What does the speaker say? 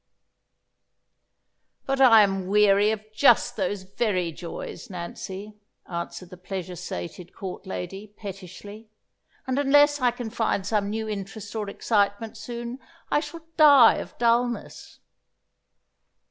"But I am weary of just those very joys, Nancy!" answered the pleasure sated Court lady, pettishly. "And unless I can find some new interest or excitement soon, I shall die of dulness!"